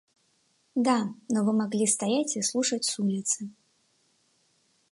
– Да, но вы могли стоять и слушать с улицы.